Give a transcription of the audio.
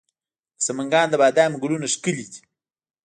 د سمنګان د بادامو ګلونه ښکلي دي.